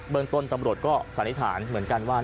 เมืองต้นตำรวจก็สันนิษฐานเหมือนกันว่า